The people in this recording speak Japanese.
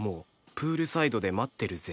「プールサイドで待ってるぜ！！」